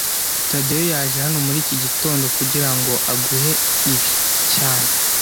Tadeyo yaje hano muri iki gitondo kugirango aguhe ibi cyane